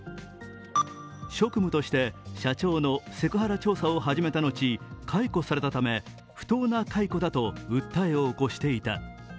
職務として社長のセクハラ調査を始めたのち、解雇されたため不当な解雇だと訴えを起こしていた。